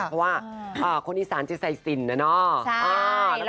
เพราะว่าคนอีสานจะใส่สินแล้วนะ